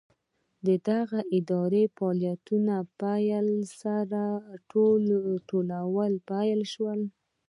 د دغې ادارې له فعالیت پیل سره راټولول پیل شول.